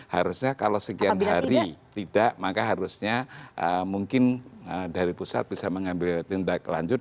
harusnya kalau sekian hari tidak maka harusnya mungkin dari pusat bisa mengambil tindak lanjut